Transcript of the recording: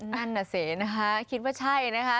นั่นน่ะสินะคะคิดว่าใช่นะคะ